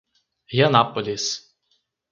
Rianápolis